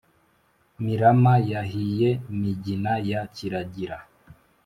mirama yahiye migina ya kiragira